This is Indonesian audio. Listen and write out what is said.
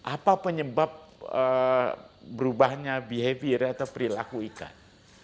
apa penyebab berubahnya behavior atau perilaku ikan